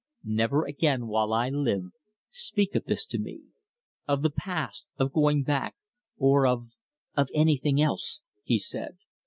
"Never again while I live, speak of this to me: of the past, of going back, or of of anything else," he said.